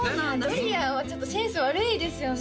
ドリアンはちょっとセンス悪いですよね